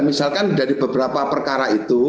misalkan dari beberapa perkara itu